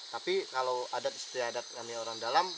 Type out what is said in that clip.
tapi kalau adat istiadat kami orang dalam